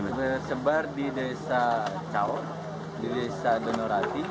tersebar di desa cao di desa donorati